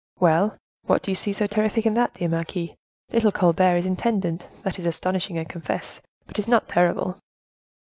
"Well! what do you see so terrific in that, dear marquise? little Colbert is intendant; that is astonishing I confess, but is not terrible."